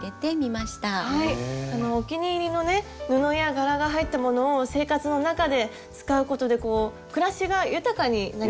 お気に入りのね布や柄が入ったものを生活の中で使うことで暮らしが豊かになりますよね。